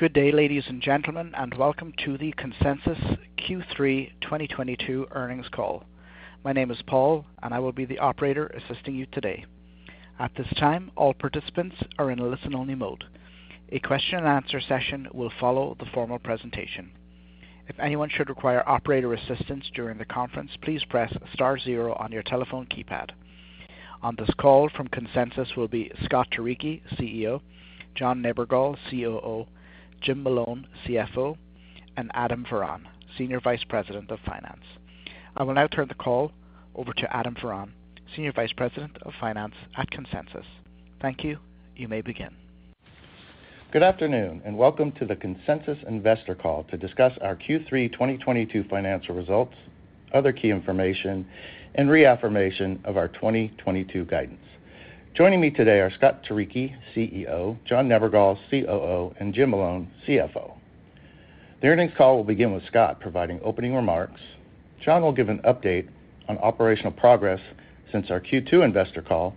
Good day, ladies and gentlemen, and welcome to the Consensus Q3 2022 earnings call. My name is Paul, and I will be the operator assisting you today. At this time, all participants are in a listen-only mode. A question-and-answer session will follow the formal presentation. If anyone should require operator assistance during the conference, please press star zero on your telephone keypad. On this call from Consensus will be Scott Turicchi, CEO, John Nebergall, COO, Jim Malone, CFO, and Adam Varon, Senior Vice President of Finance. I will now turn the call over to Adam Varon, Senior Vice President of Finance at Consensus. Thank you. You may begin. Good afternoon, and welcome to the Consensus investor call to discuss our Q3 2022 financial results, other key information, and reaffirmation of our 2022 guidance. Joining me today are Scott Turicchi, CEO, John Nebergall, COO, and Jim Malone, CFO. The earnings call will begin with Scott providing opening remarks. John will give an update on operational progress since our Q2 investor call,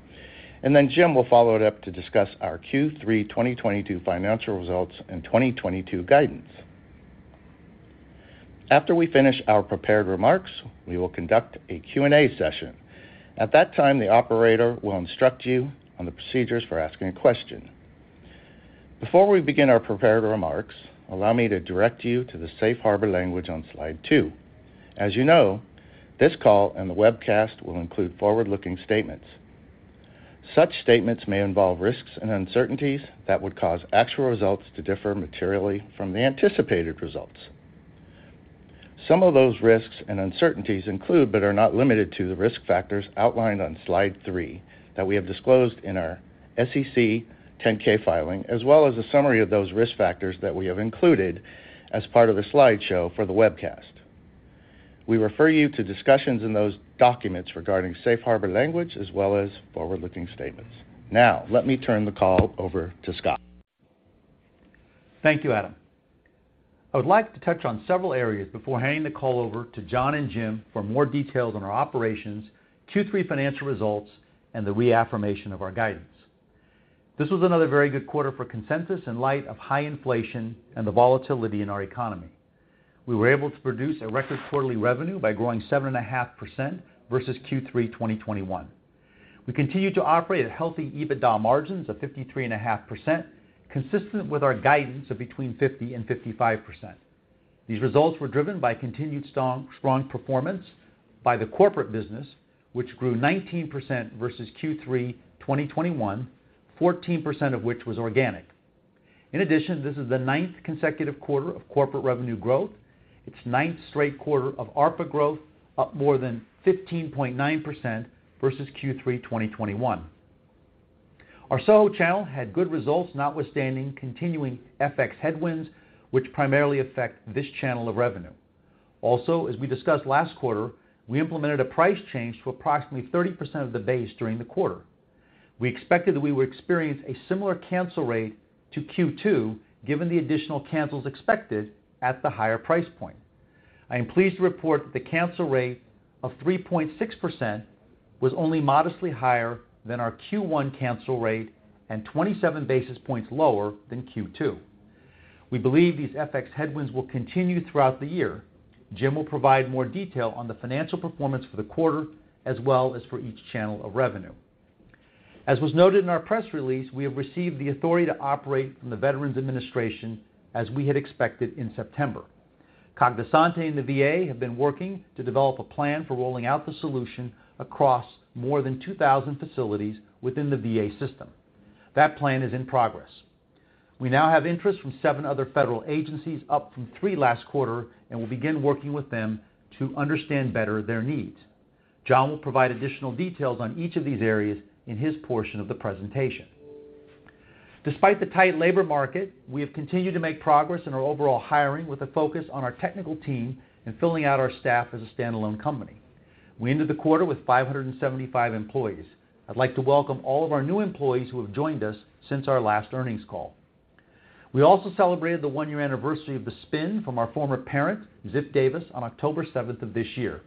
and then Jim will follow it up to discuss our Q3 2022 financial results and 2022 guidance. After we finish our prepared remarks, we will conduct a Q&A session. At that time, the Operator will instruct you on the procedures for asking a question. Before we begin our prepared remarks, allow me to direct you to the safe harbor language on slide two. As you know, this call and the webcast will include forward-looking statements. Such statements may involve risks and uncertainties that would cause actual results to differ materially from the anticipated results. Some of those risks and uncertainties include but are not limited to the risk factors outlined on slide three that we have disclosed in our SEC 10-K filing, as well as a summary of those risk factors that we have included as part of the slideshow for the webcast. We refer you to discussions in those documents regarding safe harbor language as well as forward-looking statements. Now, let me turn the call over to Scott. Thank you, Adam. I would like to touch on several areas before handing the call over to John and Jim for more details on our operations, Q3 financial results, and the reaffirmation of our guidance. This was another very good quarter for Consensus in light of high inflation and the volatility in our economy. We were able to produce a record quarterly revenue by growing 7.5% versus Q3 2021. We continue to operate at healthy EBITDA margins of 53.5%, consistent with our guidance of between 50% and 55%. These results were driven by continued strong performance by the corporate business, which grew 19% versus Q3 2021, 14% of which was organic. In addition, this is the ninth consecutive quarter of corporate revenue growth. It's ninth straight quarter of ARPA growth, up more than 15.9% versus Q3 2021. Our SOHO channel had good results, notwithstanding continuing FX headwinds, which primarily affect this channel of revenue. Also, as we discussed last quarter, we implemented a price change to approximately 30% of the base during the quarter. We expected that we would experience a similar cancel rate to Q2, given the additional cancels expected at the higher price point. I am pleased to report that the cancel rate of 3.6% was only modestly higher than our Q1 cancel rate and 27 basis points lower than Q2. We believe these FX headwinds will continue throughout the year. Jim will provide more detail on the financial performance for the quarter as well as for each channel of revenue. As was noted in our press release, we have received the authority to operate from the Department of Veterans Affairs as we had expected in September. Cognosante and the VA have been working to develop a plan for rolling out the solution across more than 2,000 facilities within the VA system. That plan is in progress. We now have interest from seven other federal agencies, up from three last quarter, and we'll begin working with them to understand better their needs. John will provide additional details on each of these areas in his portion of the presentation. Despite the tight labor market, we have continued to make progress in our overall hiring with a focus on our technical team and filling out our staff as a standalone company. We ended the quarter with 575 employees. I'd like to welcome all of our new employees who have joined us since our last earnings call. We also celebrated the one-year anniversary of the spin from our former parent, Ziff Davis, on October 7th of this year.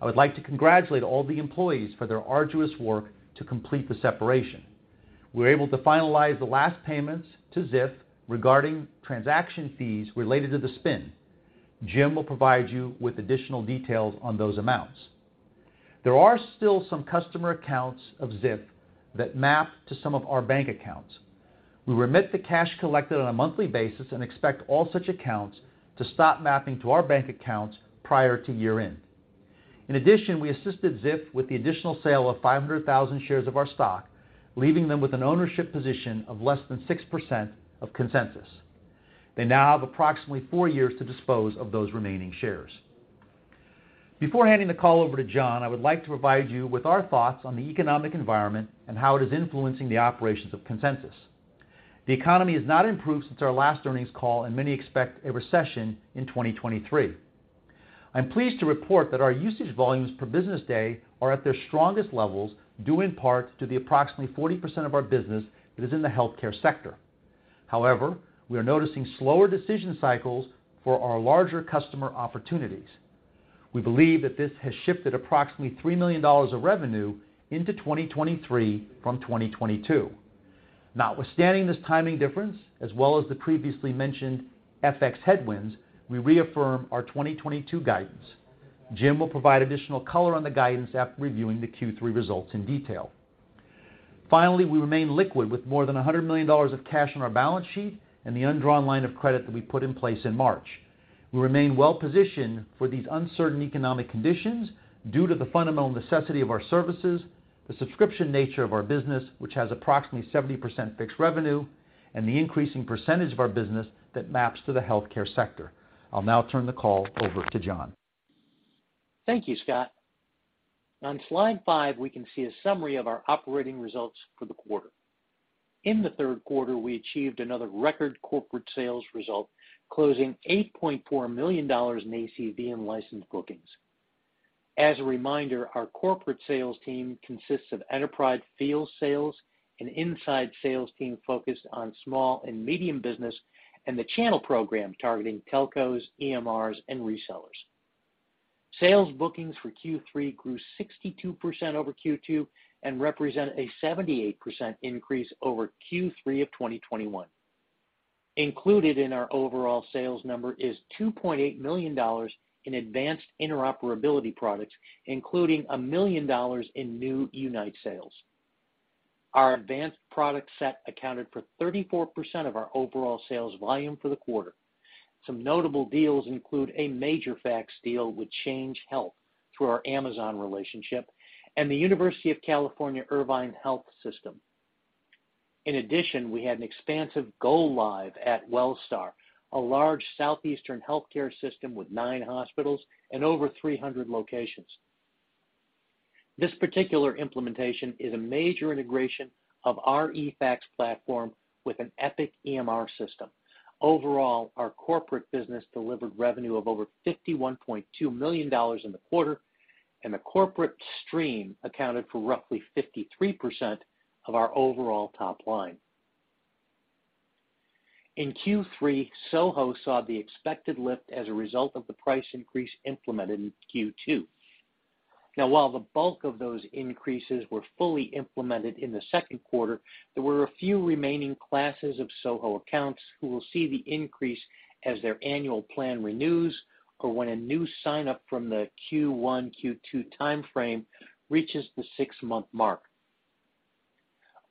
I would like to congratulate all the employees for their arduous work to complete the separation. We were able to finalize the last payments to Ziff regarding transaction fees related to the spin. Jim will provide you with additional details on those amounts. There are still some customer accounts of Ziff that map to some of our bank accounts. We remit the cash collected on a monthly basis and expect all such accounts to stop mapping to our bank accounts prior to year-end. In addition, we assisted Ziff with the additional sale of 500,000 shares of our stock, leaving them with an ownership position of less than 6% of Consensus. They now have approximately four years to dispose of those remaining shares. Before handing the call over to John, I would like to provide you with our thoughts on the economic environment and how it is influencing the operations of Consensus. The economy has not improved since our last earnings call, and many expect a recession in 2023. I'm pleased to report that our usage volumes per business day are at their strongest levels, due in part to the approximately 40% of our business that is in the healthcare sector. However, we are noticing slower decision cycles for our larger customer opportunities. We believe that this has shifted approximately $3 million of revenue into 2023 from 2022. Notwithstanding this timing difference, as well as the previously mentioned FX headwinds, we reaffirm our 2022 guidance. Jim will provide additional color on the guidance after reviewing the Q3 results in detail. Finally, we remain liquid with more than $100 million of cash on our balance sheet and the undrawn line of credit that we put in place in March. We remain well-positioned for these uncertain economic conditions due to the fundamental necessity of our services, the subscription nature of our business, which has approximately 70% fixed revenue, and the increasing percentage of our business that maps to the healthcare sector. I'll now turn the call over to John. Thank you, Scott. On slide five, we can see a summary of our operating results for the quarter. In the third quarter, we achieved another record corporate sales result, closing $8.4 million in ACV and licensed bookings. As a reminder, our corporate sales team consists of enterprise field sales, an inside sales team focused on small and medium business, and the channel program targeting telcos, EMRs, and resellers. Sales bookings for Q3 grew 62% over Q2 and represent 78% increase over Q3 of 2021. Included in our overall sales number is $2.8 million in advanced interoperability products, including $1 million in new Unite sales. Our advanced product set accounted for 34% of our overall sales volume for the quarter. Some notable deals include a major fax deal with Change Health through our Amazon relationship and the University of California, Irvine Health system. In addition, we had an expansive go live at Wellstar, a large Southeastern healthcare system with 9 hospitals and over 300 locations. This particular implementation is a major integration of our eFax platform with an Epic EMR system. Overall, our corporate business delivered revenue of over $51.2 million in the quarter, and the corporate stream accounted for roughly 53% of our overall top line. In Q3, SOHO saw the expected lift as a result of the price increase implemented in Q2. Now, while the bulk of those increases were fully implemented in the second quarter, there were a few remaining classes of SOHO accounts who will see the increase as their annual plan renews or when a new sign-up from the Q1, Q2 timeframe reaches the six-month mark.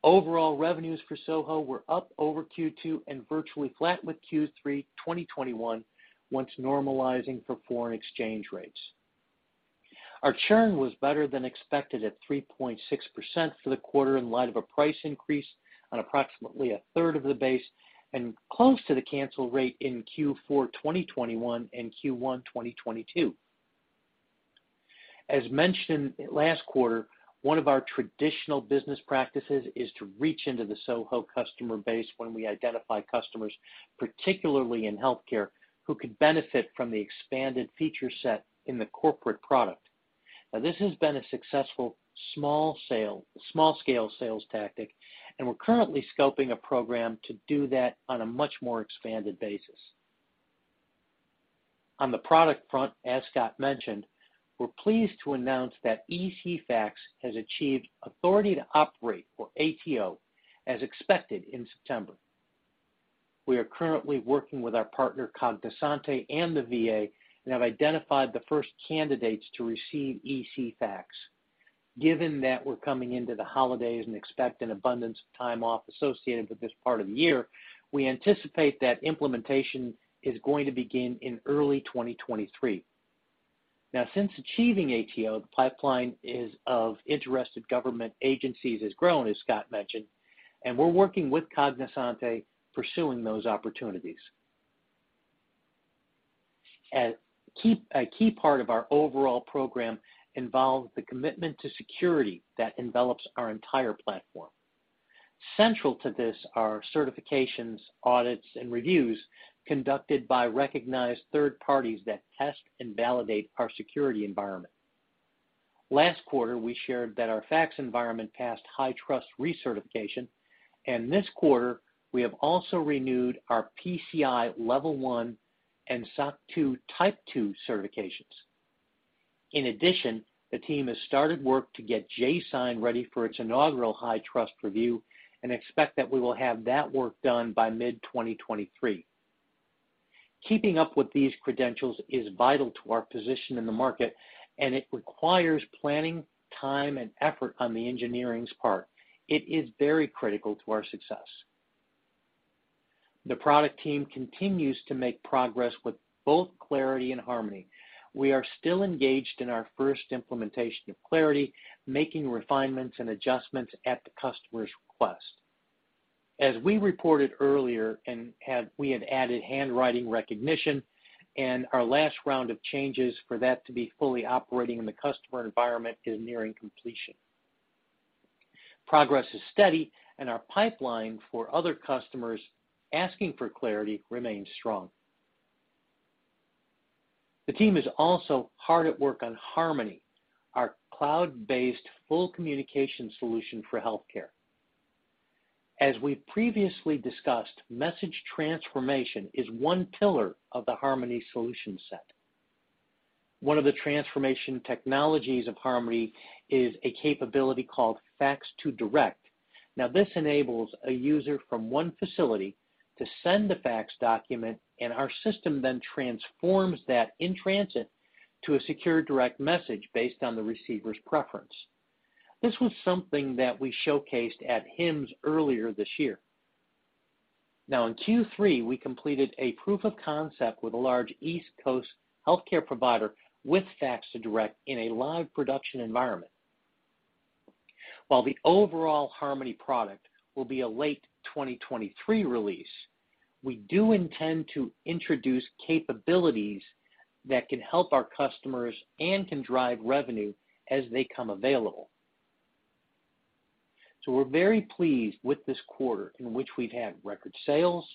Overall, revenues for SOHO were up over Q2 and virtually flat with Q3 2021 once normalizing for foreign exchange rates. Our churn was better than expected at 3.6% for the quarter in light of a price increase on approximately a third of the base and close to the cancel rate in Q4 2021 and Q1 2022. As mentioned last quarter, one of our traditional business practices is to reach into the SOHO customer base when we identify customers, particularly in healthcare, who could benefit from the expanded feature set in the corporate product. This has been a successful small scale sales tactic, and we're currently scoping a program to do that on a much more expanded basis. On the product front, as Scott mentioned, we're pleased to announce that ECFax has achieved Authority To Operate, or ATO, as expected in September. We are currently working with our partner, Cognosante, and the VA, and have identified the first candidates to receive ECFax. Given that we're coming into the holidays and expect an abundance of time off associated with this part of the year, we anticipate that implementation is going to begin in early 2023. Since achieving ATO, the pipeline of interested government agencies has grown, as Scott mentioned, and we're working with Cognosante pursuing those opportunities. A key part of our overall program involves the commitment to security that envelops our entire platform. Central to this are certifications, audits, and reviews conducted by recognized third parties that test and validate our security environment. Last quarter, we shared that our fax environment passed HITRUST recertification, and this quarter, we have also renewed our PCI Level 1 and SOC 2 Type 2 certifications. In addition, the team has started work to get jSign ready for its inaugural HITRUST review and expect that we will have that work done by mid-2023. Keeping up with these credentials is vital to our position in the market, and it requires planning, time, and effort on the engineering's part. It is very critical to our success. The product team continues to make progress with both Clarity and Harmony. We are still engaged in our first implementation of Clarity, making refinements and adjustments at the customer's request. As we reported earlier, we had added handwriting recognition, and our last round of changes for that to be fully operating in the customer environment is nearing completion. Progress is steady, and our pipeline for other customers asking for Clarity remains strong. The team is also hard at work on Harmony, our cloud-based full communication solution for healthcare. As we previously discussed, message transformation is one pillar of the Harmony solution set. One of the transformation technologies of Harmony is a capability called Fax to Direct. Now, this enables a user from one facility to send a fax document, and our system then transforms that in transit to a secure direct message based on the receiver's preference. This was something that we showcased at HIMSS earlier this year. Now in Q3, we completed a proof of concept with a large East Coast healthcare provider with Fax to Direct in a live production environment. While the overall Harmony product will be a late 2023 release, we do intend to introduce capabilities that can help our customers and can drive revenue as they come available. We're very pleased with this quarter in which we've had record sales,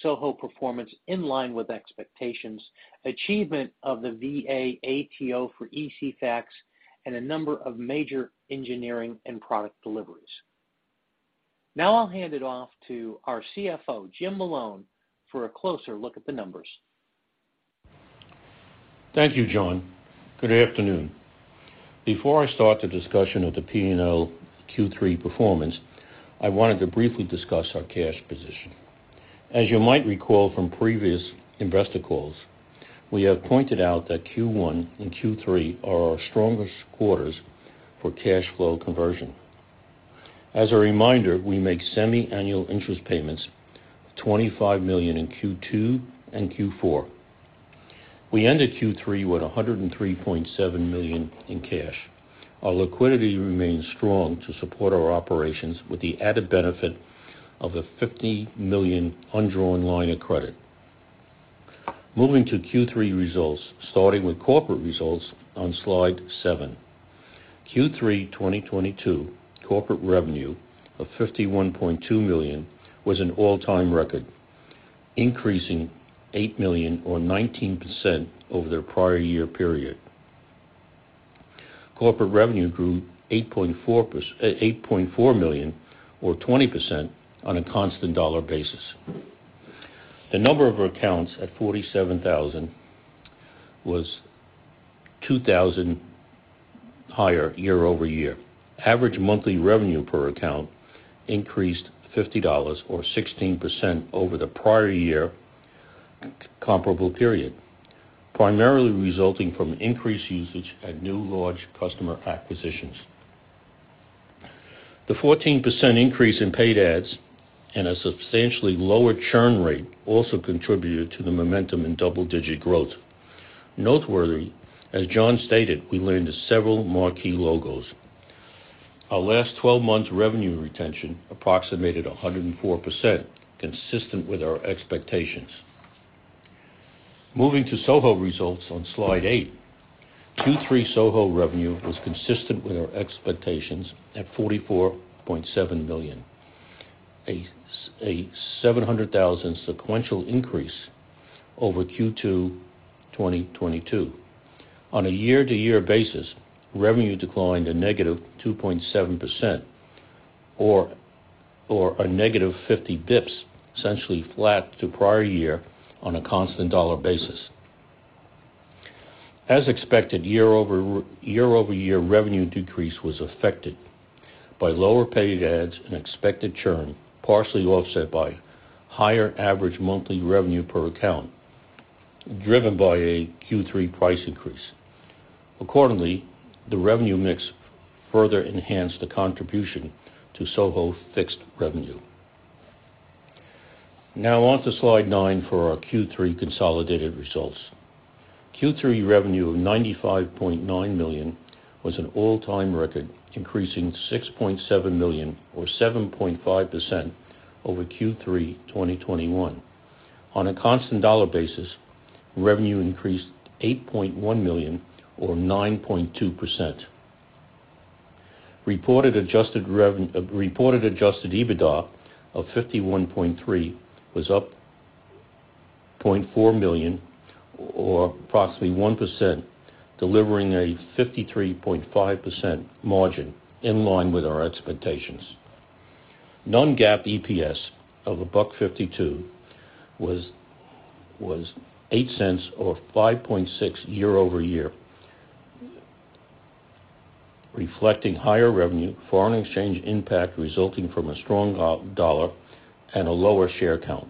SOHO performance in line with expectations, achievement of the VA ATO for ECFax, and a number of major engineering and product deliveries. Now I'll hand it off to our CFO, Jim Malone, for a closer look at the numbers. Thank you, John. Good afternoon. Before I start the discussion of the P&L Q3 performance, I wanted to briefly discuss our cash position. As you might recall from previous investor calls, we have pointed out that Q1 and Q3 are our strongest quarters for cash flow conversion. As a reminder, we make semi-annual interest payments of $25 million in Q2 and Q4. We ended Q3 with $103.7 million in cash. Our liquidity remains strong to support our operations with the added benefit of a $50 million undrawn line of credit. Moving to Q3 results, starting with corporate results on slide seven. Q3 2022 corporate revenue of $51.2 million was an all-time record, increasing $8 million or 19% over the prior year period. Corporate revenue grew $84.8 million or 20% on a constant dollar basis. The number of accounts at 47,000 was 2,000 higher year-over-year. Average monthly revenue per account increased $50 or 16% over the prior year comparable period, primarily resulting from increased usage and new large customer acquisitions. The 14% increase in paid adds and a substantially lower churn rate also contributed to the momentum in double-digit growth. Noteworthy, as John stated, we landed several marquee logos. Our last 12 months revenue retention approximated 104%, consistent with our expectations. Moving to SOHO results on slide eight. Q3 SOHO revenue was consistent with our expectations at $44.7 million, a $700,000 sequential increase over Q2 2022. On a year-to-year basis, revenue declined a -2.7% or -50 basis points, essentially flat to prior year on a constant dollar basis. As expected, year-over-year revenue decrease was affected by lower paid adds and expected churn, partially offset by higher average monthly revenue per account, driven by a Q3 price increase. Accordingly, the revenue mix further enhanced the contribution to SOHO fixed revenue. Now on to slide nine for our Q3 consolidated results. Q3 revenue of $95.9 million was an all-time record, increasing $6.7 million or 7.5% over Q3 2021. On a constant dollar basis, revenue increased $8.1 million or 9.2%. Reported adjusted EBITDA of $51.3 million was up $0.4 million or approximately 1%, delivering a 53.5% margin in line with our expectations. Non-GAAP EPS of $1.52 was $0.08 cents or 5.6% year-over-year, reflecting higher revenue, foreign exchange impact resulting from a strong dollar, and a lower share count.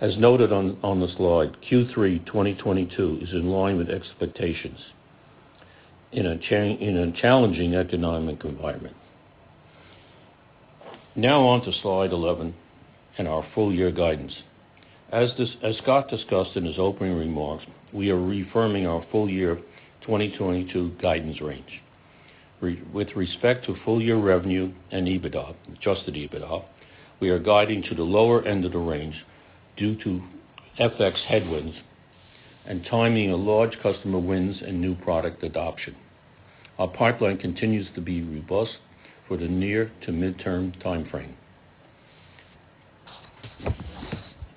As noted on the slide, Q3 2022 is in line with expectations in a challenging economic environment. Now on to slide 11 and our full year guidance. As Scott discussed in his opening remarks, we are reaffirming our full year 2022 guidance range. With respect to full year revenue and EBITDA, adjusted EBITDA, we are guiding to the lower end of the range due to FX headwinds and timing of large customer wins and new product adoption. Our pipeline continues to be robust for the near to midterm timeframe.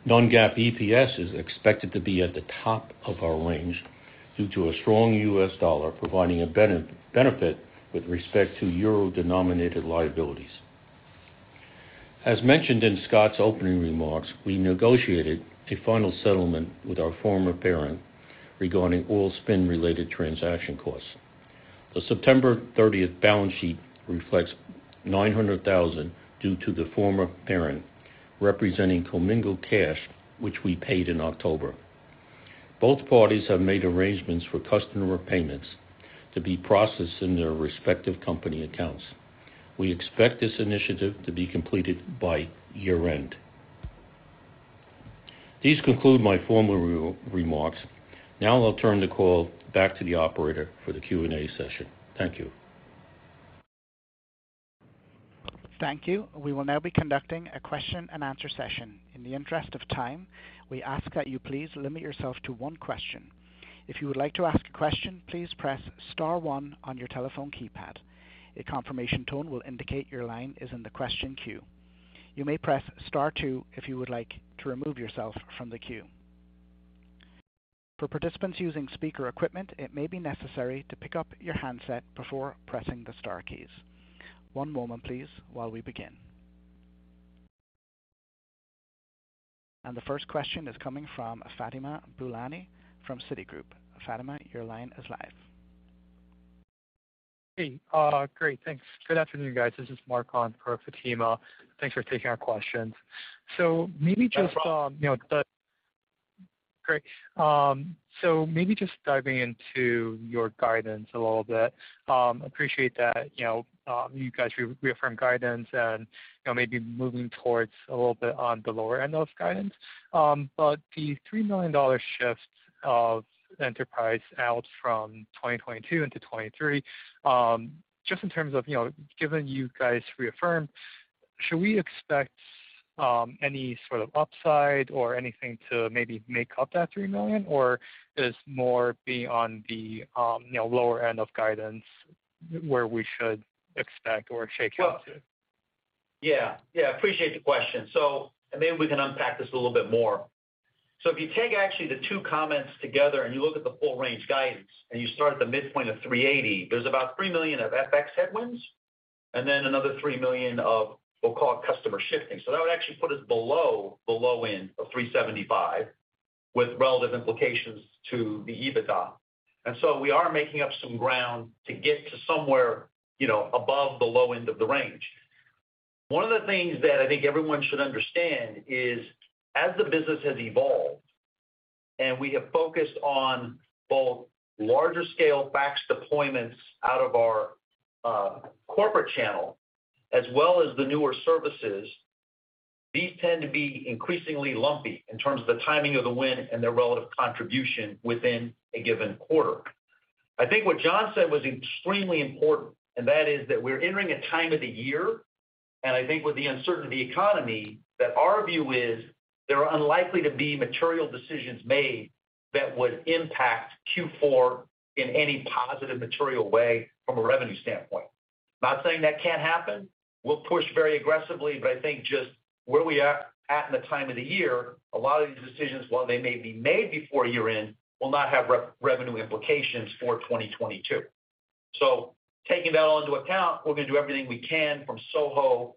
Non-GAAP EPS is expected to be at the top of our range due to a strong U.S. dollar providing a benefit with respect to euro-denominated liabilities. As mentioned in Scott's opening remarks, we negotiated a final settlement with our former parent regarding all spin-related transaction costs. The September 30th balance sheet reflects $900,000 due to the former parent, representing commingled cash, which we paid in October. Both parties have made arrangements for customer payments to be processed in their respective company accounts. We expect this initiative to be completed by year-end. These conclude my formal remarks. Now I'll turn the call back to the Operator for the Q&A session. Thank you. Thank you. We will now be conducting a question-and-answer session. In the interest of time, we ask that you please limit yourself to one question. If you would like to ask a question, please press star one on your telephone keypad. A confirmation tone will indicate your line is in the question queue. You may press star two if you would like to remove yourself from the queue. For participants using speaker equipment, it may be necessary to pick up your handset before pressing the star keys. One moment please while we begin. The first question is coming from Fatima Boolani from Citigroup. Fatima, your line is live. Hey, great, thanks. Good afternoon, guys. This is Mark on for Fatima. Thanks for taking our questions. No problem. Great. Maybe just diving into your guidance a little bit, appreciate that, you know, you guys reaffirmed guidance and, you know, maybe moving towards a little bit on the lower end of guidance. The $3 million shift of enterprise out from 2022 into 2023, just in terms of, you know, given you guys reaffirmed, should we expect any sort of upside or anything to maybe make up that $3 million? Is it more on the, you know, lower end of guidance where we should expect or shake out to? Yeah. Yeah, appreciate the question. Maybe we can unpack this a little bit more. If you take actually the two comments together and you look at the full range guidance and you start at the midpoint of 380, there's about $3 million of FX headwinds, and then another $3 million of we'll call it customer shifting. That would actually put us below the low end of 375 with relative implications to the EBITDA. We are making up some ground to get to somewhere, you know, above the low end of the range. One of the things that I think everyone should understand is as the business has evolved and we have focused on both larger scale fax deployments out of our corporate channel as well as the newer services, these tend to be increasingly lumpy in terms of the timing of the win and their relative contribution within a given quarter. I think what John said was extremely important, and that is that we're entering a time of the year, and I think with the uncertainty economy, that our view is there are unlikely to be material decisions made that would impact Q4 in any positive material way from a revenue standpoint. Not saying that can't happen. We'll push very aggressively, but I think just where we are at in the time of the year, a lot of these decisions, while they may be made before year-end, will not have revenue implications for 2022. Taking that all into account, we're gonna do everything we can from SOHO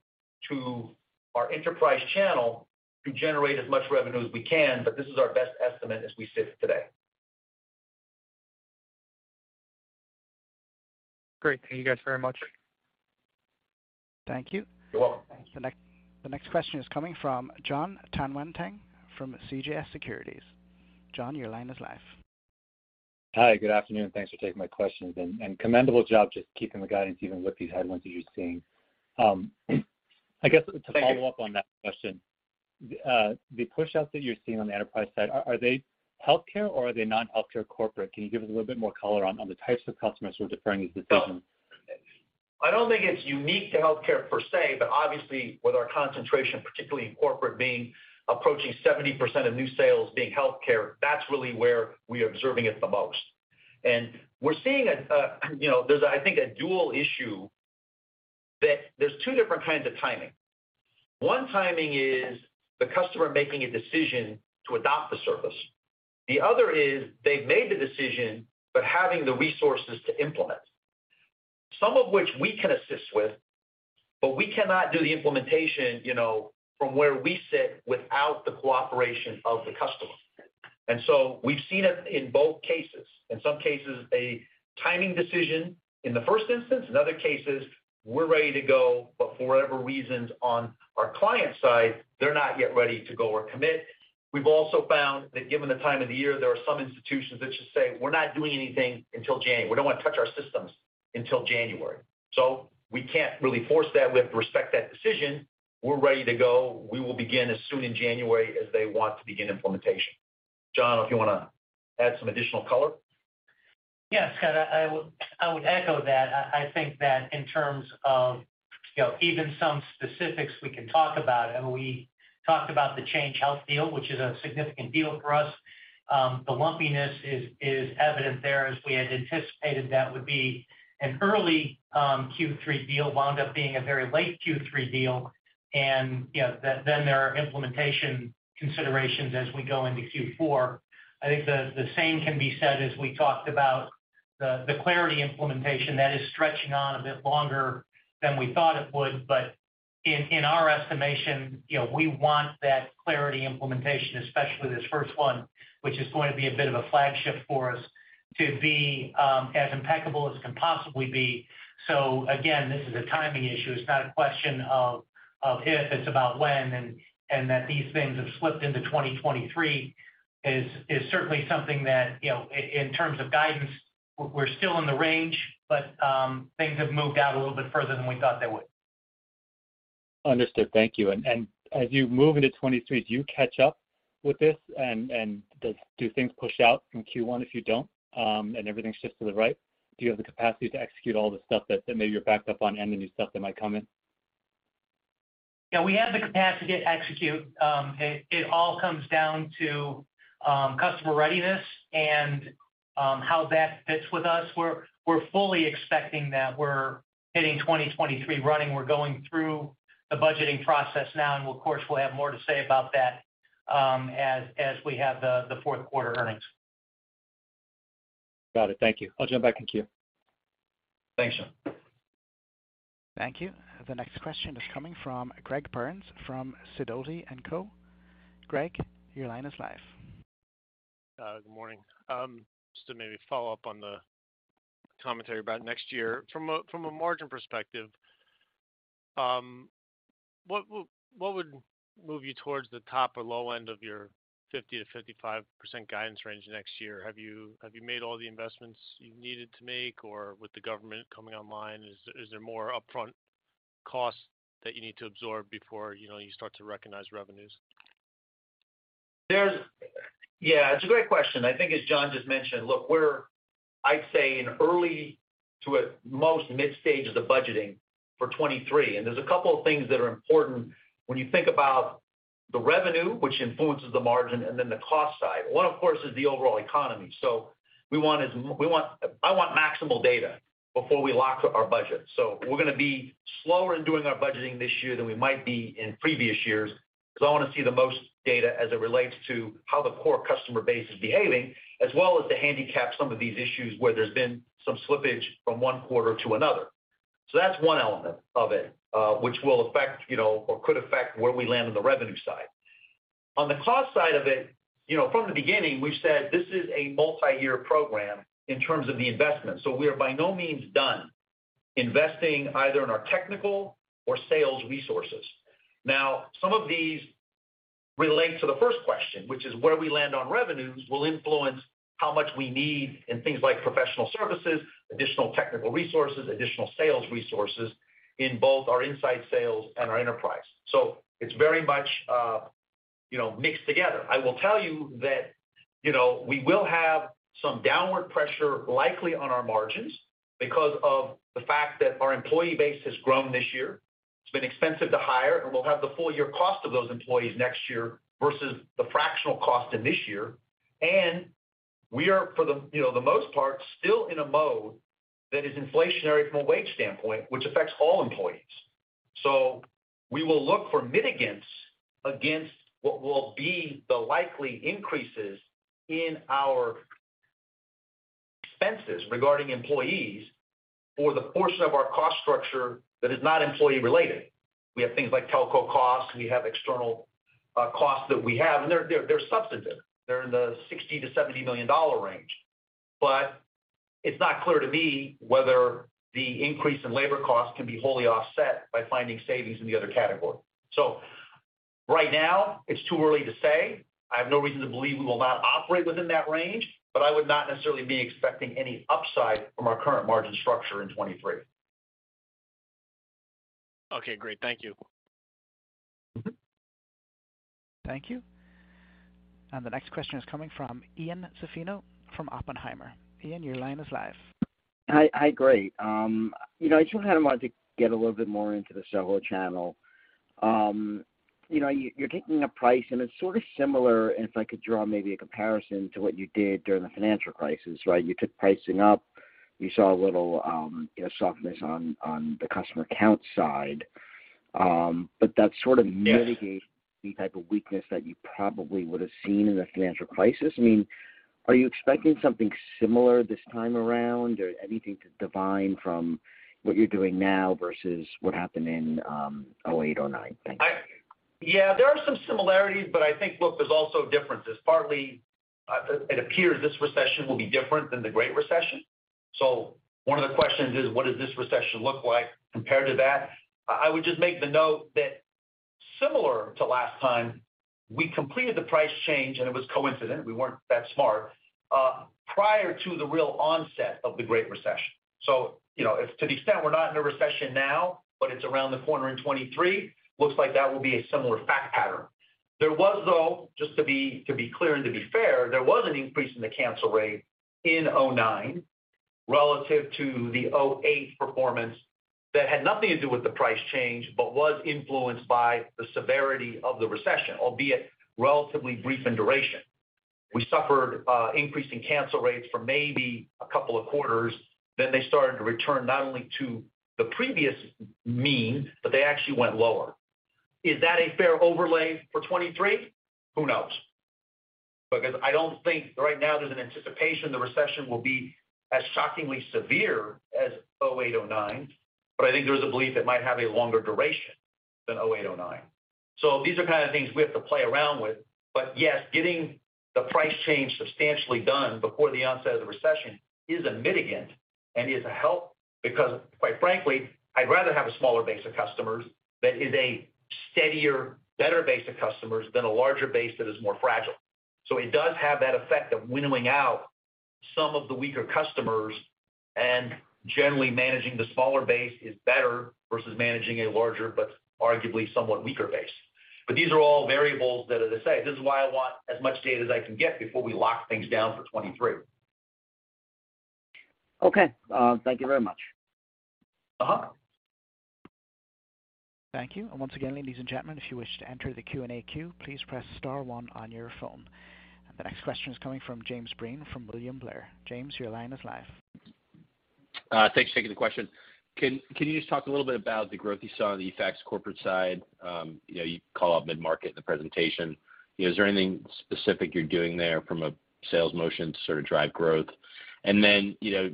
to our enterprise channel to generate as much revenue as we can, but this is our best estimate as we sit today. Great. Thank you guys very much. Thank you. You're welcome. The next question is coming from Jon Tanwanteng from CJS Securities. Jon, your line is live. Hi. Good afternoon. Thanks for taking my questions, and commendable job just keeping the guidance even with these headwinds that you're seeing. I guess to follow up on that question, the pushouts that you're seeing on the enterprise side, are they healthcare or are they non-healthcare corporate? Can you give us a little bit more color on the types of customers who are deferring these decisions? I don't think it's unique to healthcare per se, but obviously with our concentration, particularly in corporate being approaching 70% of new sales being healthcare, that's really where we are observing it the most. We're seeing, you know, there's I think a dual issue that there's two different kinds of timing. One timing is the customer making a decision to adopt the service. The other is they've made the decision, but having the resources to implement. Some of which we can assist with, but we cannot do the implementation, you know, from where we sit without the cooperation of the customer. We've seen it in both cases. In some cases, a timing decision in the first instance. In other cases, we're ready to go, but for whatever reasons on our client side, they're not yet ready to go or commit. We've also found that given the time of the year, there are some institutions that just say, we're not doing anything until January. We don't wanna touch our systems until January. We can't really force that. We have to respect that decision. We're ready to go. We will begin as soon in January as they want to begin implementation. John, if you wanna add some additional color. Yes, Scott, I would echo that. I think that in terms of, you know, even some specifics we can talk about, and we talked about the Change Health deal, which is a significant deal for us. The lumpiness is evident there as we had anticipated that would be an early Q3 deal, wound up being a very late Q3 deal. You know, then there are implementation considerations as we go into Q4. I think the same can be said as we talked about the Clarity implementation that is stretching on a bit longer than we thought it would. In our estimation, you know, we want that Clarity implementation, especially this first one, which is going to be a bit of a flagship for us to be as impeccable as can possibly be. Again, this is a timing issue. It's not a question of if. It's about when, and that these things have slipped into 2023 is certainly something that, you know, in terms of guidance, we're still in the range, but things have moved out a little bit further than we thought they would. Understood. Thank you. As you move into 2023, do you catch up with this and do things push out in Q1 if you don't, and everything shifts to the right? Do you have the capacity to execute all the stuff that maybe you're backed up on and the new stuff that might come in? Yeah, we have the capacity to execute. It all comes down to customer readiness and how that fits with us. We're fully expecting that we're hitting 2023 running. We're going through the budgeting process now, and we'll of course have more to say about that, as we have the fourth quarter earnings. Got it. Thank you. I'll jump back in queue. Thanks, John. Thank you. The next question is coming from Greg Burns from Sidoti & Co. Greg, your line is live. Good morning. Just to maybe follow up on the commentary about next year. From a margin perspective, what would move you towards the top or low end of your 50%-55% guidance range next year? Have you made all the investments you needed to make, or with the government coming online, is there more upfront costs that you need to absorb before, you know, you start to recognize revenues? Yeah, it's a great question. I think as John just mentioned, look, we're, I'd say in early to, at most, mid stages of budgeting for 2023. There's a couple of things that are important when you think about the revenue, which influences the margin and then the cost side. One, of course, is the overall economy. I want maximal data before we lock our budget. We're gonna be slower in doing our budgeting this year than we might be in previous years, 'cause I wanna see the most data as it relates to how the core customer base is behaving, as well as to handicap some of these issues where there's been some slippage from one quarter to another. That's one element of it, which will affect, you know, or could affect where we land on the revenue side. On the cost side of it, you know, from the beginning, we've said this is a multi-year program in terms of the investment, so we are by no means done investing either in our technical or sales resources. Now, some of these relate to the first question, which is where we land on revenues will influence how much we need in things like professional services, additional technical resources, additional sales resources in both our inside sales and our enterprise. It's very much, you know, mixed together. I will tell you that, you know, we will have some downward pressure likely on our margins because of the fact that our employee base has grown this year. It's been expensive to hire, and we'll have the full year cost of those employees next year versus the fractional cost in this year. We are for, you know, the most part, still in a mode that is inflationary from a wage standpoint, which affects all employees. We will look for mitigants against what will be the likely increases in our expenses regarding employees for the portion of our cost structure that is not employee-related. We have things like telco costs, we have external costs that we have, and they're substantive. They're in the $60 million-$70 million range. It's not clear to me whether the increase in labor costs can be wholly offset by finding savings in the other category. Right now, it's too early to say. I have no reason to believe we will not operate within that range, but I would not necessarily be expecting any upside from our current margin structure in 2023. Okay, great. Thank you. Mm-hmm. Thank you. The next question is coming from Ian Zaffino from Oppenheimer. Ian, your line is live. Hi, great. You know, I just kinda wanted to get a little bit more into the SOHO channel. You know, you're taking a price and it's sort of similar, and if I could draw maybe a comparison to what you did during the financial crisis, right? You took pricing up, you saw a little, you know, softness on the customer count side. That sort of mitigated the type of weakness that you probably would've seen in the financial crisis. I mean, are you expecting something similar this time around or anything to derive from what you're doing now versus what happened in 2008, 2009? Thanks. Yeah, there are some similarities, but I think, look, there's also differences. Partly, it appears this recession will be different than the Great Recession. One of the questions is what does this recession look like compared to that? I would just make the note that similar to last time, we completed the price change, and it was coincident, we weren't that smart, prior to the real onset of the Great Recession. You know, if to the extent we're not in a recession now, but it's around the corner in 2023, looks like that will be a similar fact pattern. There was though, just to be clear and to be fair, there was an increase in the cancel rate in 2009 relative to the 2008 performance that had nothing to do with the price change, but was influenced by the severity of the recession, albeit relatively brief in duration. We suffered increase in cancel rates for maybe a couple of quarters, then they started to return not only to the previous mean, but they actually went lower. Is that a fair overlay for 2023? Who knows? Because I don't think right now there's an anticipation the recession will be as shockingly severe as 2008, 2009, but I think there's a belief it might have a longer duration than 2008, 2009. These are kind of things we have to play around with. Yes, getting the price change substantially done before the onset of the recession is a mitigant and is a help because quite frankly, I'd rather have a smaller base of customers that is a steadier, better base of customers than a larger base that is more fragile. It does have that effect of winnowing out some of the weaker customers, and generally managing the smaller base is better versus managing a larger but arguably somewhat weaker base. These are all variables that are the same. This is why I want as much data as I can get before we lock things down for 2023. Okay. Thank you very much. Uh-huh. Thank you. Once again, ladies and gentlemen, if you wish to enter the Q&A queue, please press star one on your phone. The next question is coming from James Breen from William Blair. James, your line is live. Thanks for taking the question. Can you just talk a little bit about the growth you saw on the fax corporate side? You know, you call out mid-market in the presentation. You know, is there anything specific you're doing there from a sales motion to sort of drive growth? Then, you know,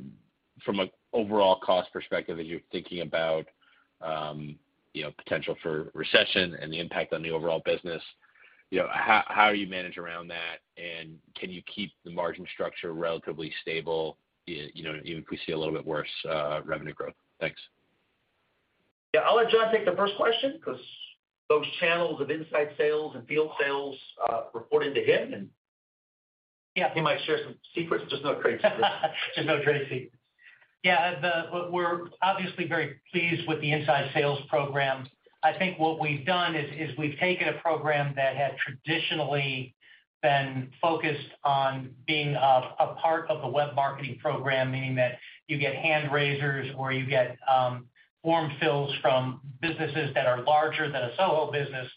from a overall cost perspective, as you're thinking about, you know, potential for recession and the impact on the overall business, you know, how do you manage around that, and can you keep the margin structure relatively stable, you know, even if we see a little bit worse revenue growth? Thanks. Yeah. I'll let John take the first question 'cause those channels of inside sales and field sales report into him. Yeah. He might share some secrets. Just no trade secrets. Just no trade secrets. Yeah. We're obviously very pleased with the inside sales program. I think what we've done is we've taken a program that had traditionally been focused on being a part of the web marketing program, meaning that you get hand raisers or you get form fills from businesses that are larger than a SOHO business.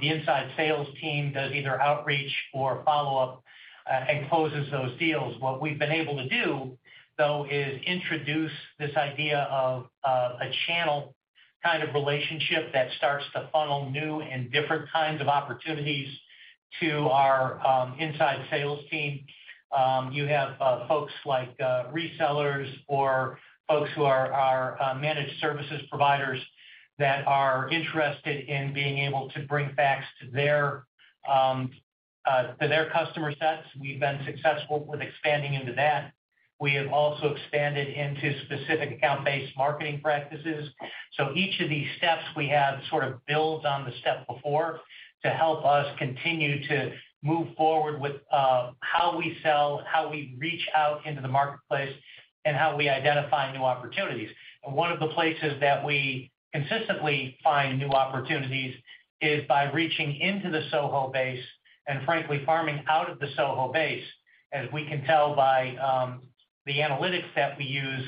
The inside sales team does either outreach or follow-up and closes those deals. What we've been able to do, though, is introduce this idea of a channel kind of relationship that starts to funnel new and different kinds of opportunities to our inside sales team. You have folks like resellers or folks who are managed services providers that are interested in being able to bring fax to their customer sets. We've been successful with expanding into that. We have also expanded into specific account-based marketing practices. Each of these steps we have sort of builds on the step before to help us continue to move forward with how we sell, how we reach out into the marketplace, and how we identify new opportunities. One of the places that we consistently find new opportunities is by reaching into the SOHO base and frankly farming out of the SOHO base. As we can tell by the analytics that we use,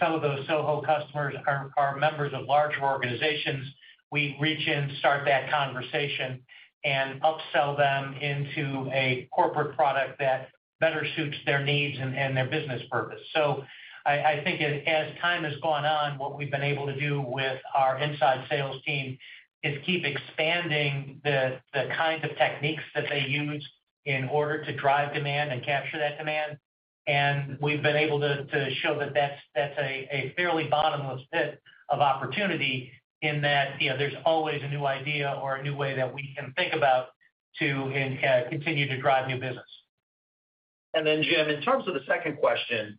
some of those SOHO customers are members of larger organizations. We reach in, start that conversation, and upsell them into a corporate product that better suits their needs and their business purpose. I think as time has gone on, what we've been able to do with our inside sales team is keep expanding the kinds of techniques that they use in order to drive demand and capture that demand. We've been able to show that that's a fairly bottomless pit of opportunity in that, you know, there's always a new idea or a new way that we can think about to continue to drive new business. Jim, in terms of the second question,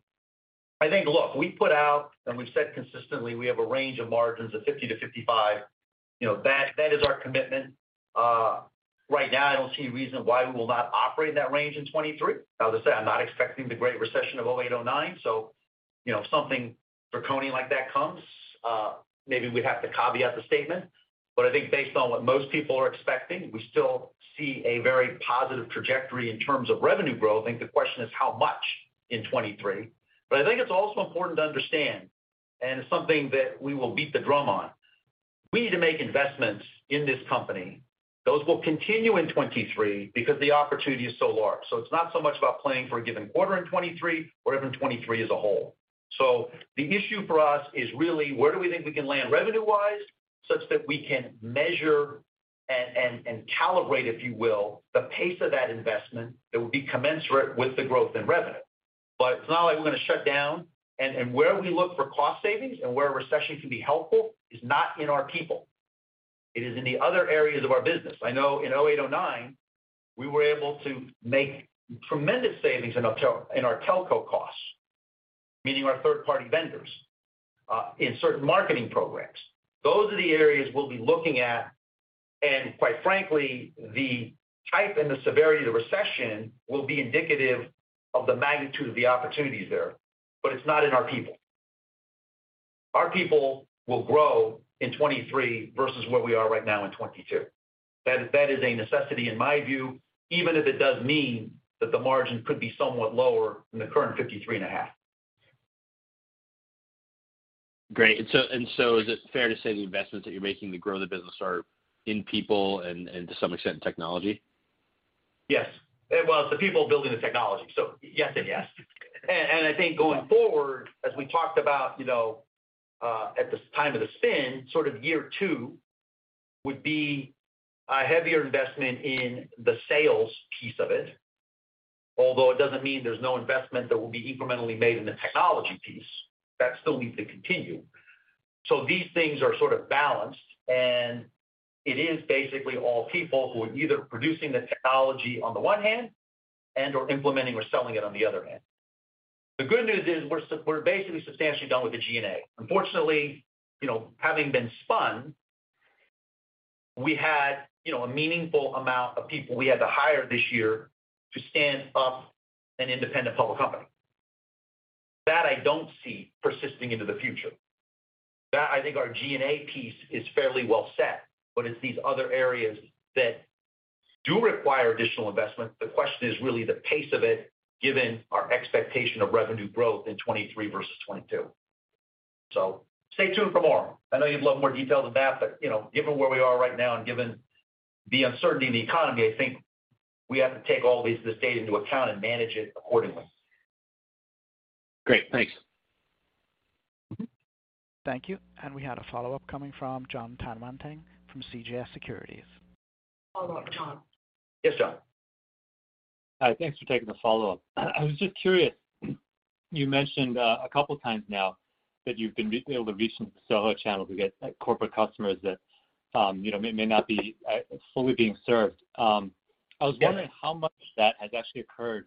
I think, look, we put out and we've said consistently we have a range of margins of 50%-55%. You know, that is our commitment. Right now, I don't see a reason why we will not operate in that range in 2023. As I say, I'm not expecting the Great Recession of 2008, 2009. You know, something Draconian like that comes, maybe we'd have to caveat the statement. I think based on what most people are expecting, we still see a very positive trajectory in terms of revenue growth. I think the question is how much in 2023. It's also important to understand, and it's something that we will beat the drum on, we need to make investments in this company. Those will continue in 2023 because the opportunity is so large. It's not so much about playing for a given quarter in 2023 or even 2023 as a whole. The issue for us is really where do we think we can land revenue-wise such that we can measure and calibrate, if you will, the pace of that investment that will be commensurate with the growth in revenue. It's not like we're gonna shut down. Where we look for cost savings and where a recession can be helpful is not in our people. It is in the other areas of our business. I know in 2008, 2009, we were able to make tremendous savings in our telco costs, meaning our third-party vendors, in certain marketing programs. Those are the areas we'll be looking at. Quite frankly, the type and the severity of the recession will be indicative of the magnitude of the opportunities there. It's not in our people. Our people will grow in 2023 versus where we are right now in 2022. That is a necessity in my view, even if it does mean that the margin could be somewhat lower than the current 53.5%. Great. Is it fair to say the investments that you're making to grow the business are in people and to some extent technology? Yes. Well, it's the people building the technology. Yes and yes. I think going forward, as we talked about, you know, at the time of the spin, sort of year two would be a heavier investment in the sales piece of it. Although it doesn't mean there's no investment that will be incrementally made in the technology piece. That still needs to continue. These things are sort of balanced, and it is basically all people who are either producing the technology on the one hand and/or implementing or selling it on the other hand. The good news is we're basically substantially done with the G&A. Unfortunately, you know, having been spun, we had, you know, a meaningful amount of people we had to hire this year to stand up an independent public company. That, I don't see persisting into the future. That I think our G&A piece is fairly well set, but it's these other areas that do require additional investment. The question is really the pace of it, given our expectation of revenue growth in 2023 versus 2022. Stay tuned for more. I know you'd love more details than that, but you know, given where we are right now and given the uncertainty in the economy, I think we have to take this data into account and manage it accordingly. Great. Thanks. Thank you. We had a follow-up coming from Jon Tanwanteng from CJS Securities. Follow-up, Jon. Yes, Jon. Hi. Thanks for taking the follow-up. I was just curious, you mentioned a couple of times now that you've been able to reach into the SOHO channel to get, like, corporate customers that, you know, may not be fully being served. I was wondering how much of that has actually occurred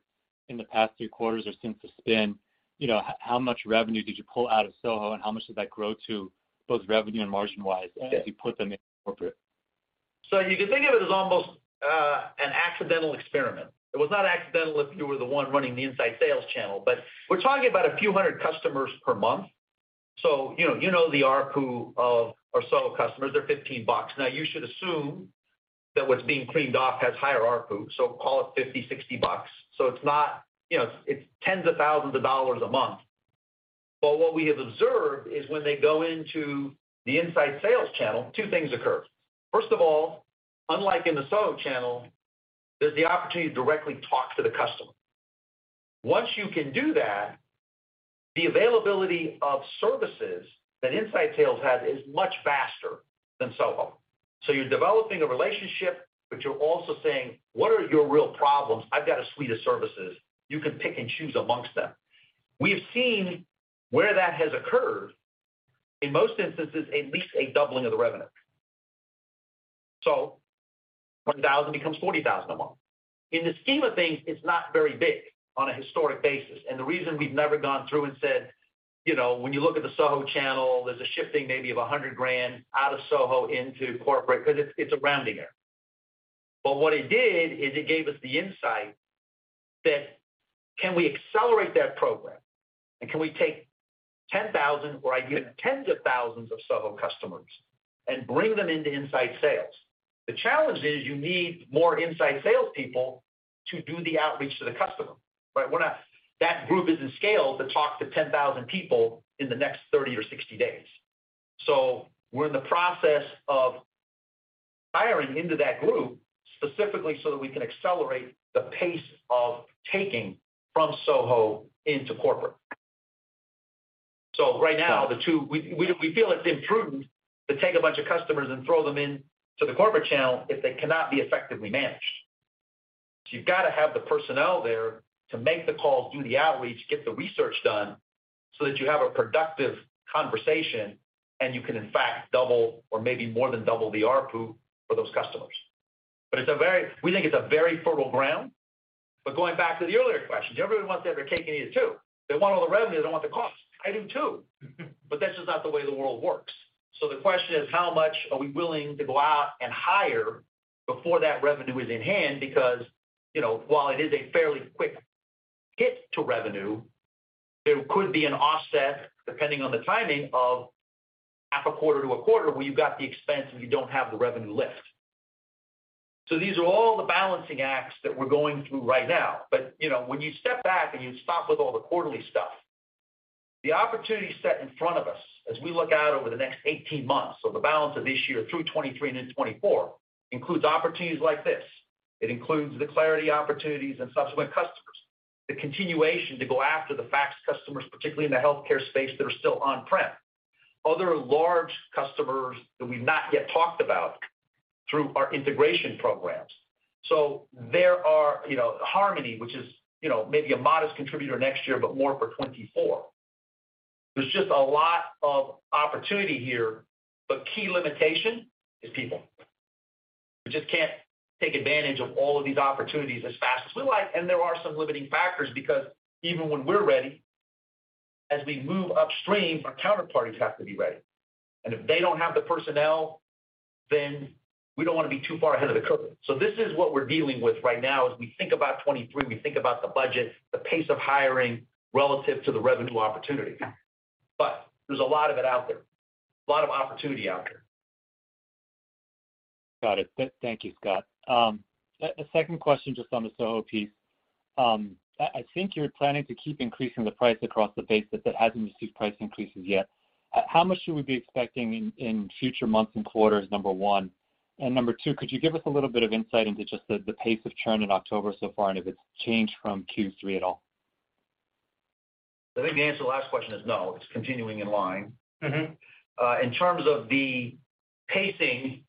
in the past three quarters or since the spin. You know, how much revenue did you pull out of SOHO, and how much did that grow to both revenue and margin-wise as you put them in corporate? You can think of it as almost an accidental experiment. It was not accidental if you were the one running the inside sales channel, but we're talking about a few hundred customers per month. You know the ARPU of our SOHO customers, they're $15. Now, you should assume that what's being cleaned off has higher ARPU, so call it $50, $60. It's not, you know, it's tens of thousands of dollars a month. What we have observed is when they go into the inside sales channel, two things occur. First of all, unlike in the SOHO channel, there's the opportunity to directly talk to the customer. Once you can do that, the availability of services that inside sales has is much faster than SOHO. You're developing a relationship, but you're also saying, what are your real problems? I've got a suite of services. You can pick and choose amongst them. We have seen where that has occurred, in most instances, at least a doubling of the revenue. $1,000 becomes $40,000 a month. In the scheme of things, it's not very big on a historic basis. The reason we've never gone through and said, you know, when you look at the SOHO channel, there's a shifting maybe of $100,000 out of SOHO into corporate because it's a rounding error. What it did is it gave us the insight that can we accelerate that program, and can we take 10,000 or tens of thousands of SOHO customers and bring them into inside sales? The challenge is you need more inside sales people to do the outreach to the customer, right? That group isn't scaled to talk to 10,000 people in the next 30 or 60 days. We're in the process of hiring into that group specifically so that we can accelerate the pace of taking from SOHO into corporate. Right now, we feel it's imprudent to take a bunch of customers and throw them into the corporate channel if they cannot be effectively managed. You've got to have the personnel there to make the calls, do the outreach, get the research done, so that you have a productive conversation, and you can, in fact, double or maybe more than double the ARPU for those customers. We think it's a very fertile ground. Going back to the earlier question, everyone wants to have their cake and eat it too. They want all the revenue, they want the cost. I do too, but that's just not the way the world works. The question is, how much are we willing to go out and hire before that revenue is in hand? Because, you know, while it is a fairly quick hit to revenue, there could be an offset, depending on the timing, of half a quarter to a quarter where you've got the expense and you don't have the revenue lift. These are all the balancing acts that we're going through right now. You know, when you step back and you stop with all the quarterly stuff, the opportunity set in front of us as we look out over the next 18 months, so the balance of this year through 2023 and into 2024, includes opportunities like this. It includes the Clarity opportunities and subsequent customers, the continuation to go after the fax customers, particularly in the healthcare space, that are still on-prem. Other large customers that we've not yet talked about through our integration programs. There are, you know, Harmony, which is, you know, maybe a modest contributor next year, but more for 2024. There's just a lot of opportunity here, but key limitation is people. We just can't take advantage of all of these opportunities as fast as we like. There are some limiting factors because even when we're ready, as we move upstream, our counterparties have to be ready. If they don't have the personnel, then we don't want to be too far ahead of the curve. This is what we're dealing with right now as we think about 2023, we think about the budget, the pace of hiring relative to the revenue opportunity. There's a lot of it out there, a lot of opportunity out there. Got it. Thank you, Scott. A second question just on the SOHO piece. I think you're planning to keep increasing the price across the base that hasn't received price increases yet. How much should we be expecting in future months and quarters, number one? Number two, could you give us a little bit of insight into just the pace of churn in October so far and if it's changed from Q3 at all? I think the answer to the last question is no, it's continuing in line. Mm-hmm. In terms of the pacing,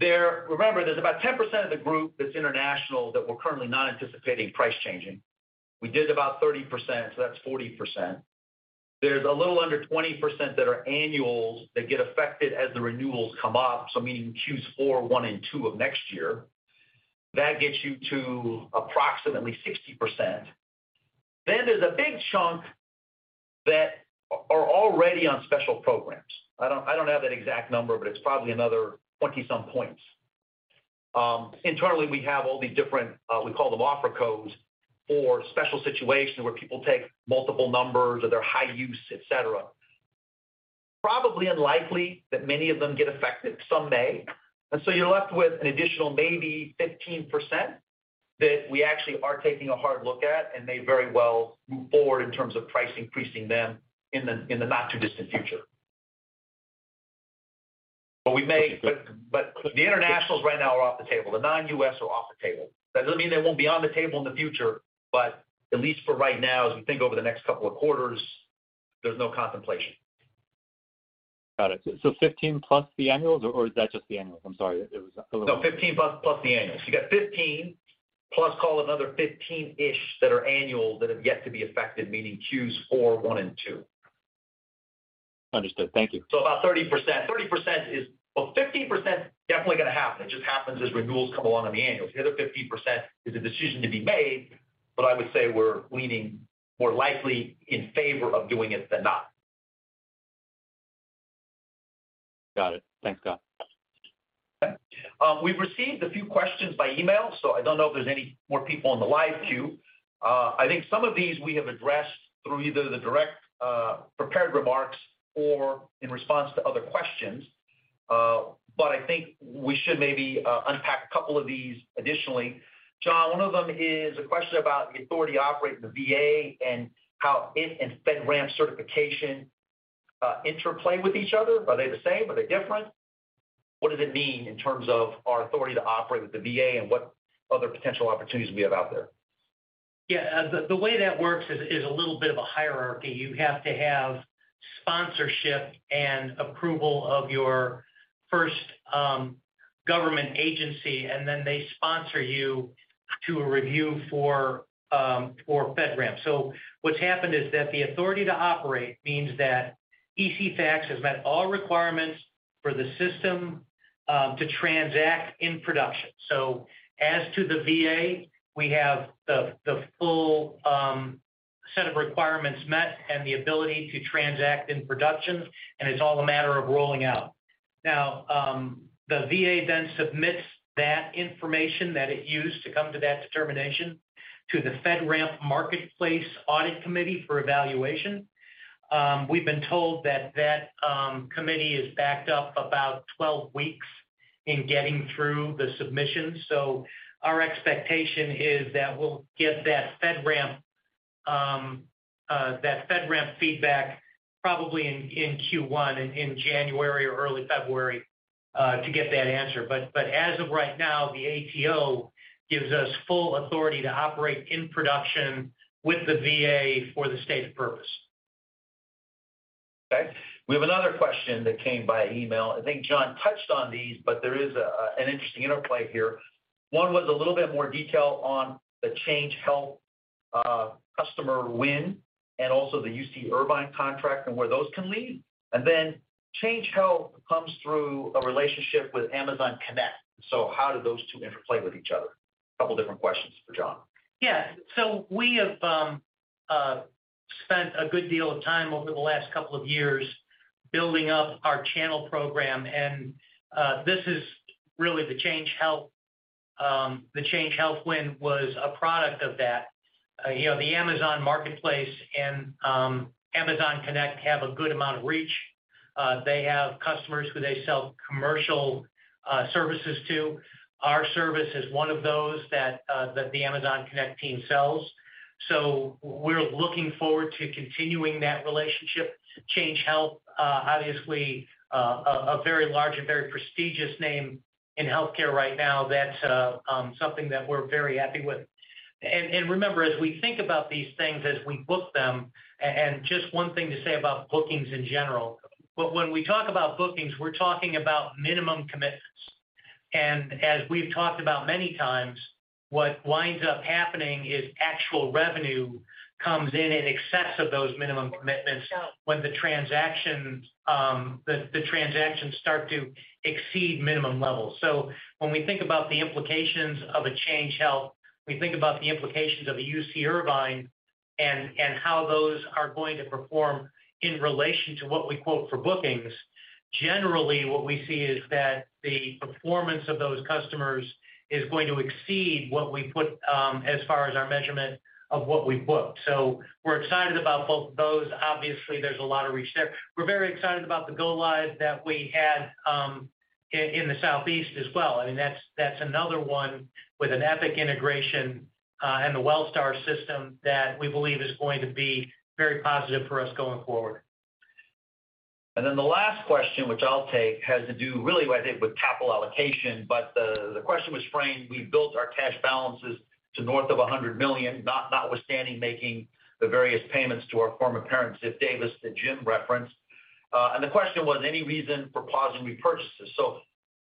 remember, there's about 10% of the group that's international that we're currently not anticipating price changing. We did about 30%, so that's 40%. There's a little under 20% that are annuals that get affected as the renewals come up, so meaning Q4, Q1 and Q2 of next year. That gets you to approximately 60%. Then there's a big chunk that are already on special programs. I don't have that exact number, but it's probably another 20-some points. Internally we have all these different, we call them offer codes for special situations where people take multiple numbers or they're high use, et cetera. Probably unlikely that many of them get affected, some may. You're left with an additional maybe 15% that we actually are taking a hard look at, and may very well move forward in terms of price increasing them in the not too distant future. Okay. The internationals right now are off the table, the non-U.S. are off the table. That doesn't mean they won't be on the table in the future, but at least for right now, as we think over the next couple of quarters, there's no contemplation. Got it. So 15 plus the annuals or is that just the annuals? No, 15 plus the annuals. You got 15 plus call it another 15-ish that are annual that have yet to be affected, meaning Q4, Q1 and Q2. Understood. Thank you. About 30%. Well, 15% is definitely gonna happen. It just happens as renewals come along on the annuals. The other 15% is a decision to be made, but I would say we're leaning more likely in favor of doing it than not. Got it. Thanks, Scott. Okay. We've received a few questions by email, so I don't know if there's any more people on the live queue. I think some of these we have addressed through either the direct prepared remarks or in response to other questions. I think we should maybe unpack a couple of these additionally. John, one of them is a question about the Authority To Operate in the VA and how it and FedRAMP certification interplay with each other. Are they the same? Are they different? What does it mean in terms of our Authority To Operate with the VA and what other potential opportunities we have out there? Yeah. The way that works is a little bit of a hierarchy. You have to have sponsorship and approval of your first, government agency, and then they sponsor you to a review for FedRAMP. What's happened is that the Authority To Operate means that ECFax has met all requirements for the system to transact in production. As to the VA, we have the full set of requirements met and the ability to transact in production, and it's all a matter of rolling out. Now, the VA then submits that information that it used to come to that determination to the FedRAMP Marketplace audit committee for evaluation. We've been told that that committee is backed up about 12 weeks in getting through the submissions. Our expectation is that we'll get that FedRAMP feedback probably in Q1, in January or early February, to get that answer. As of right now, the ATO gives us full authority to operate in production with the VA for the stated purpose. Okay. We have another question that came via email. I think John touched on these, but there is an interesting interplay here. One was a little bit more detail on the Change Health customer win, and also the UC Irvine contract and where those can lead. Change Health comes through a relationship with Amazon Connect. How do those two interplay with each other? A couple different questions for John. Yeah, we have spent a good deal of time over the last couple of years building up our channel program, and this is really the Change Health win was a product of that. You know, the Amazon Marketplace and Amazon Connect have a good amount of reach. They have customers who they sell commercial services to. Our service is one of those that the Amazon Connect team sells. We're looking forward to continuing that relationship. Change Health, obviously a very large and very prestigious name in healthcare right now. That's something that we're very happy with. Remember, as we think about these things, as we book them, and just one thing to say about bookings in general, but when we talk about bookings, we're talking about minimum commitments. As we've talked about many times, what winds up happening is actual revenue comes in in excess of those minimum commitments when the transactions start to exceed minimum levels. When we think about the implications of a Change Health, we think about the implications of a UC Irvine and how those are going to perform in relation to what we quote for bookings. Generally, what we see is that the performance of those customers is going to exceed what we put as far as our measurement of what we've booked. We're excited about both of those. Obviously, there's a lot of reach there. We're very excited about the go live that we had. In the Southeast as well. I mean, that's another one with an Epic integration, and the Wellstar System that we believe is going to be very positive for us going forward. The last question, which I'll take, has to do really I think with capital allocation, but the question was framed: We've built our cash balances to north of $100 million, notwithstanding making the various payments to our former parent, Ziff Davis, that Jim referenced. The question was any reason for pausing repurchases.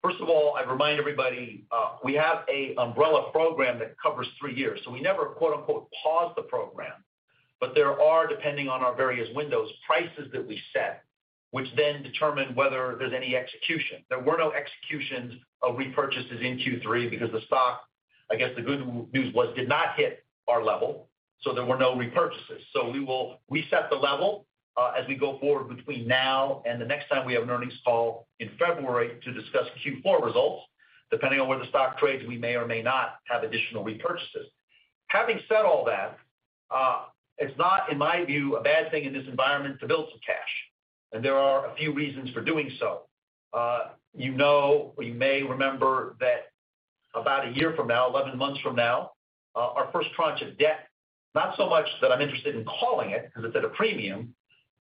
First of all, I'd remind everybody, we have an umbrella program that covers three years, so we never quote, unquote, paused the program. There are, depending on our various windows, prices that we set, which then determine whether there's any execution. There were no executions of repurchases in Q3 because the stock, I guess the good news was, did not hit our level, so there were no repurchases. We will reset the level as we go forward between now and the next time we have an earnings call in February to discuss the Q4 results. Depending on where the stock trades, we may or may not have additional repurchases. Having said all that, it's not, in my view, a bad thing in this environment to build some cash, and there are a few reasons for doing so. You know, or you may remember that about a year from now, 11 months from now, our first tranche of debt, not so much that I'm interested in calling it, 'cause it's at a premium,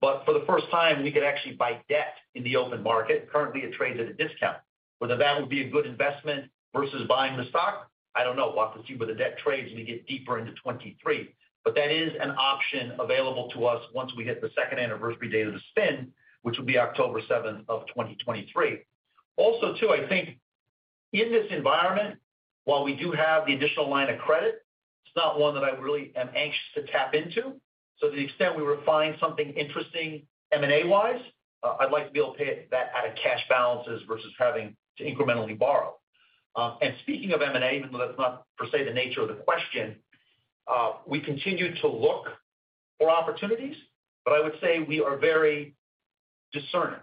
but for the first time, we could actually buy debt in the open market. Currently, it trades at a discount. Whether that would be a good investment versus buying the stock, I don't know. We'll have to see where the debt trades when we get deeper into 2023. That is an option available to us once we hit the second anniversary date of the spin, which will be October 7, 2023. Also, too, I think in this environment, while we do have the additional line of credit, it's not one that I really am anxious to tap into. To the extent we would find something interesting M&A-wise, I'd like to be able to pay that out of cash balances versus having to incrementally borrow. Speaking of M&A, even though that's not per se the nature of the question, we continue to look for opportunities, but I would say we are very discerning.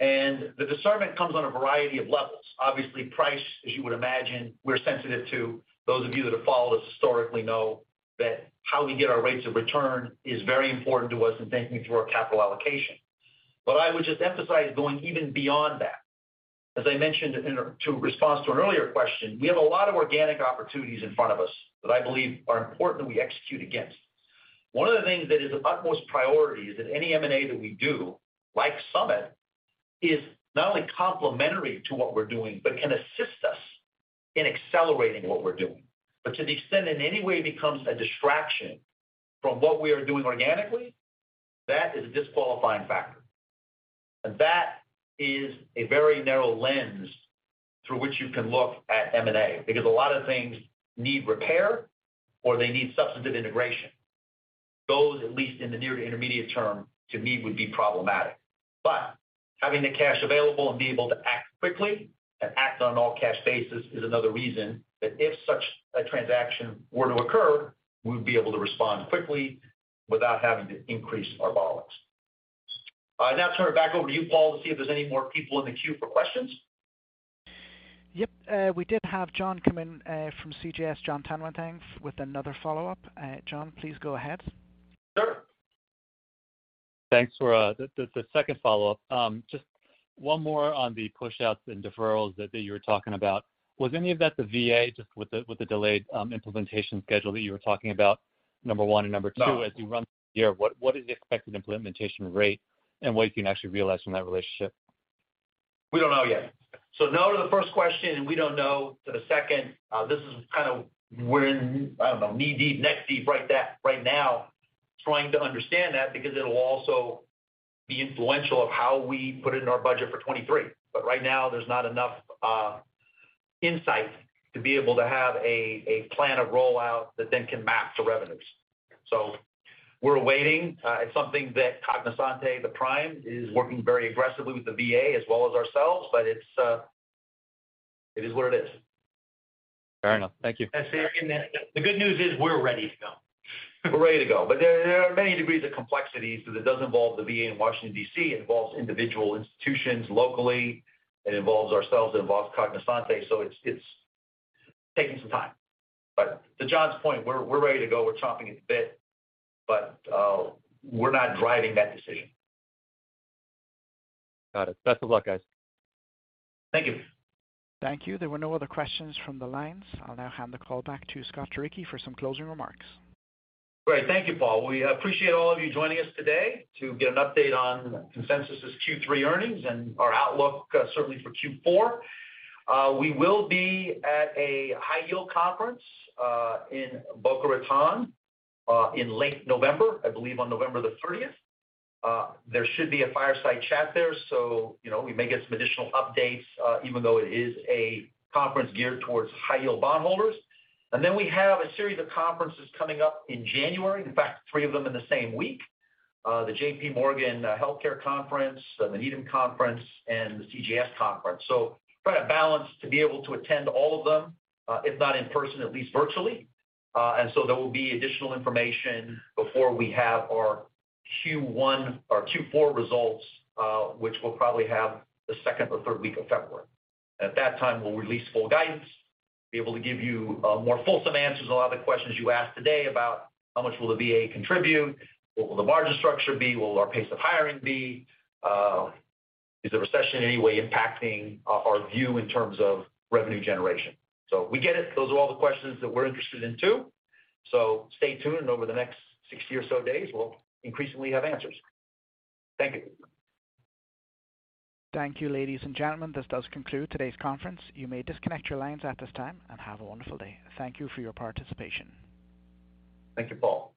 The discernment comes on a variety of levels. Obviously, price, as you would imagine, we're sensitive to. Those of you that have followed us historically know that how we get our rates of return is very important to us in thinking through our capital allocation. I would just emphasize going even beyond that. As I mentioned earlier in response to an earlier question, we have a lot of organic opportunities in front of us that I believe are important that we execute against. One of the things that is of utmost priority is that any M&A that we do, like Summit, is not only complementary to what we're doing, but can assist us in accelerating what we're doing. To the extent in any way becomes a distraction from what we are doing organically, that is a disqualifying factor. That is a very narrow lens through which you can look at M&A because a lot of things need repair or they need substantive integration. Those, at least in the near to intermediate term, to me, would be problematic. Having the cash available and be able to act quickly and act on an all-cash basis is another reason that if such a transaction were to occur, we'd be able to respond quickly without having to increase our borrowings. Now turn it back over to you, Paul, to see if there's any more people in the queue for questions. Yep. We did have Jon come in from CJS, Jon Tanwanteng, with another follow-up. Jon, please go ahead. Sure. Thanks for the second follow-up. Just one more on the pushouts and deferrals that you were talking about. Was any of that the VA, just with the delayed implementation schedule that you were talking about, number one. No. Number two, as you run through the year, what is the expected implementation rate and what you can actually realize from that relationship? We don't know yet. No to the first question, and we don't know to the second. We're in, I don't know, knee-deep, neck-deep right there right now trying to understand that because it'll also be influential of how we put it in our budget for 2023. Right now there's not enough insight to be able to have a plan, a rollout that then can map to revenues. We're waiting. It's something that Cognosante, the prime, is working very aggressively with the VA as well as ourselves, but it is what it is. Fair enough. Thank you. The good news is we're ready to go. There are many degrees of complexities 'cause it does involve the VA in Washington, D.C., it involves individual institutions locally, it involves ourselves, it involves Cognosante, so it's taking some time. To John's point, we're ready to go. We're chomping at the bit, but we're not driving that decision. Got it. Best of luck, guys. Thank you. Thank you. There were no other questions from the lines. I'll now hand the call back to Scott Turicchi for some closing remarks. Great. Thank you, Paul. We appreciate all of you joining us today to get an update on Consensus' Q3 earnings and our outlook, certainly for Q4. We will be at a high yield conference in Boca Raton in late November, I believe on November 30th. There should be a fireside chat there, so, you know, we may get some additional updates, even though it is a conference geared towards high yield bondholders. We have a series of conferences coming up in January. In fact, three of them in the same week. The JPMorgan Healthcare Conference, the Needham Conference, and the CJS Conference. Try to balance to be able to attend all of them, if not in person, at least virtually. There will be additional information before we have our Q1 or Q4 results, which we'll probably have the second or third week of February. At that time, we'll release full guidance, be able to give you more fulsome answers to a lot of the questions you asked today about how much will the VA contribute, what will the margin structure be, what will our pace of hiring be, is the recession in any way impacting our view in terms of revenue generation. We get it. Those are all the questions that we're interested in too. Stay tuned, and over the next 60 or so days, we'll increasingly have answers. Thank you. Thank you, ladies and gentlemen. This does conclude today's conference. You may disconnect your lines at this time, and have a wonderful day. Thank you for your participation. Thank you, Paul.